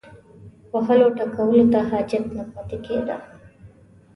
وهلو او ټکولو ته حاجت نه پاتې کېده.